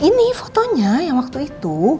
ini fotonya yang waktu itu